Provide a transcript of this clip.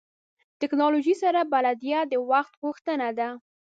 ټکنالوژۍ سره بلدیت د وخت غوښتنه ده.